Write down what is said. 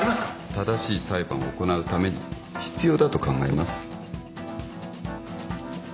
正しい裁判を行うために必要だと考えます。